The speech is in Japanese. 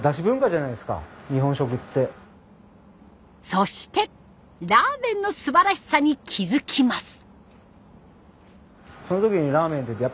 そしてラーメンのすばらしさに気付きます。